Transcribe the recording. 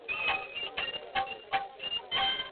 ایا په ښوونځیو کي د ورزش لپاره ځای سته؟